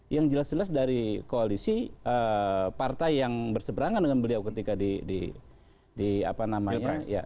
yang jelas jelas dari koalisi partai yang berseberangan dengan beliau ketika di apa namanya